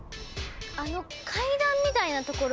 あの階段みたいなところ。